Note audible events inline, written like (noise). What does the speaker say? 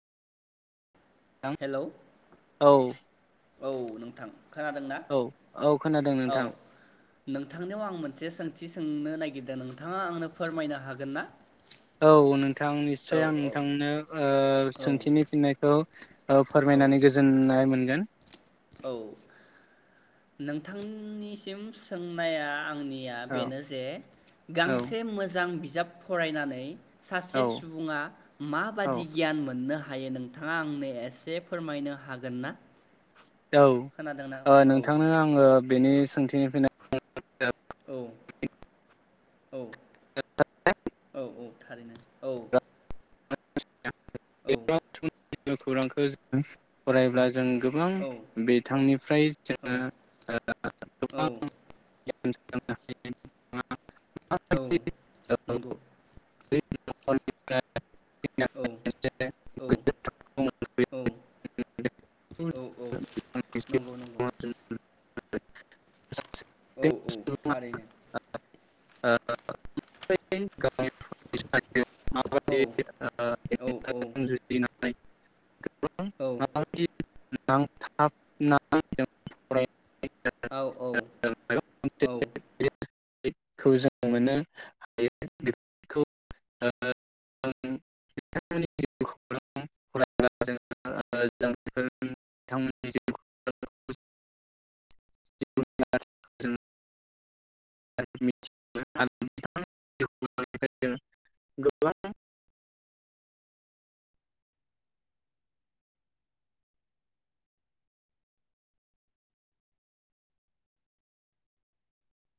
hello औ औ नोंथां खोनादोंना औ औ खोनादों औ नोंथां नोंथांनियाव आं मोनसे सोंथि सोंनो नागिरदों नोंथाङा आंनो फोरमायनो हागोन ना औ नोंथां औ निस्सय आं औ नोंथांनो ओ औ सोंथिनि फिननायखौ औ फोरमायनानै औ गोजोननाय मोनगोन औ नोंथांनिसिम सोंनाया आंनि या औ बेनो जे औ गांसे मोजां बिजाब फरायनानै औ सासे सुबुङा औ माबादि गियान मोननो हायो नोंथाङा आंनो एसे फोरमायनो हागोन ना औ खोनादोंना ओ नोंथां औ नोंथांनो आं आङो बेनि सोंथिनि फिननायखौ औ औ औ औ थारैनो औ (unintelligible) औ जिउ खौरांखौ फरायब्ला जों गोबां औ बिथांनिफ्राय जोङो (unintelligible) औ गोबां (unintelligible) औ नंगौ (unintelligible) औ औ औ औ औ नंगौ नंगौ (unintelligible) औ औ थारैनो आ (unintelligible) (unintelligible) औ माबायदि औ औ औ (unintelligible) (unintelligible) (unintelligible) औ औ औ खौ जों मोननो हायो बेफोरखौ (unintelligible) गोबां